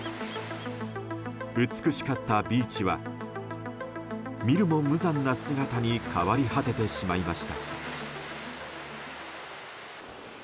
美しかったビーチは見るも無残な姿に変わり果ててしまいました。